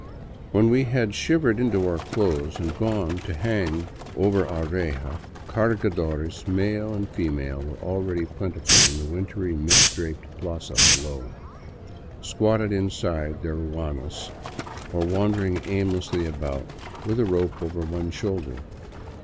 When we had shivered into our clothes and gone to hang over our reja, cargadores male and female were already plentiful in the wintry, mistrdraped plaza below, squatted inside their ruanas or wandering aimlessly about with a rope over one shoulder.